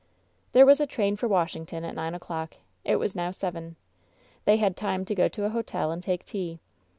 There was a train for Washington at nine o'clock. It was now seven. They had time to go to a hotel and take tea.